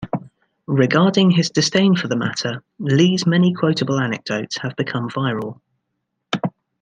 Regarding his disdain for the matter, Li's many quotable anecdotes have become viral.